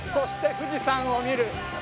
富士山を見る。